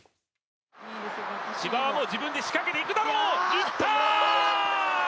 千葉は自分で仕掛けていくだろう！